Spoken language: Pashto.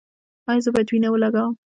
ایا زه باید وینه ولګوم؟